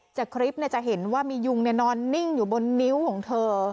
จากคลิปจะเห็นว่ามียุงนอนนิ่งอยู่บนนิ้วของเธอ